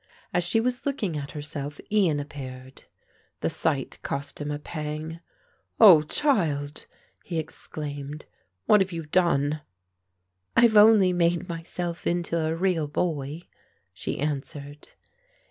As she was looking at herself Ian appeared. The sight cost him a pang. "Oh, child," he exclaimed, "what have you done?" "I've only made myself into a real boy," she answered.